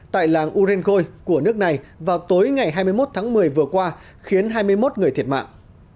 tại làng urenkoy của nước này vào tối ngày hai mươi một tháng một mươi vừa qua khiến hai mươi một người thiệt mạng